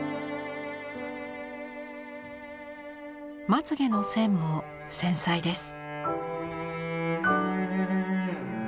まつげの線も繊細です。